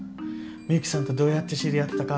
ミユキさんとどうやって知り合ったか。